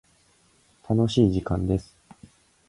楽しい時間です。